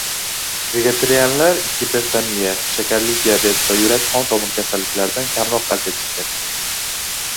Vegetarianlar gipertoniya, shakarli diabet va yurak-qon tomir kasalliklaridan kamroq aziyat chekadi